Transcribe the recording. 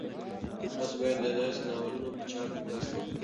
تاسو باید د داسې ناولونو په چاپ کې مرسته وکړئ.